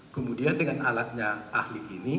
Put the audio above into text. kemudian dengan alatnya ahli ini